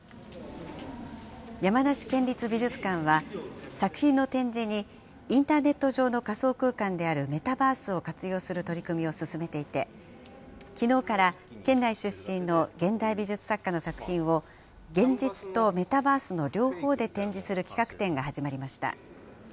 山梨県立美術館は、作品の展示に、インターネット上の仮想空間であるメタバースを活用する取り組みを進めていて、きのうから県内出身の現代美術作家の作品を、現実とメタバースの両方で展示する企画展が始まりました。